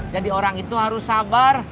jadi orang itu harus sabar